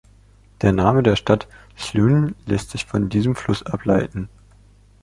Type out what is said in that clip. Der Name der Stadt Slunj lässt sich von diesem Fluss ableiten.